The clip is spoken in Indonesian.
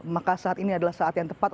maka saat ini adalah saat yang tepat